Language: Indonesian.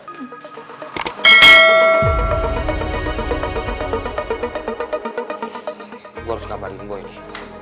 gue harus kabarin den boy nih